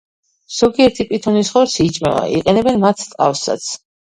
ზოგიერთი პითონის ხორცი იჭმევა, იყენებენ მათ ტყავსაც.